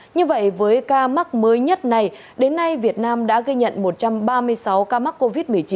như vậy với ca mắc mới nhất này đến nay việt nam đã ghi nhận một trăm ba mươi sáu ca mắc covid một mươi chín